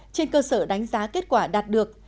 trên cơ sở đánh giá kết quả đạt được